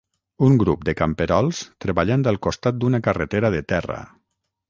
Un grup de camperols treballant al costat d'una carretera de terra.